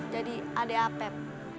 jadi adik apep